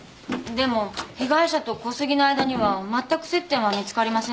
でも被害者と小杉の間には全く接点は見つかりませんでした。